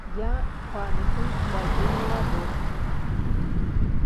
Я памятаю сваю маладосць.